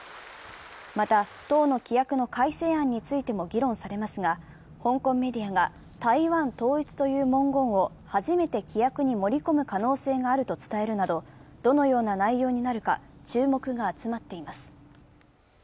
また党の規約の改正案についても議論されますが、香港メディアが台湾統一という文言を初めて規約に盛り込む可能性があると伝えるなど、どのような内容になるか注目が集まっています。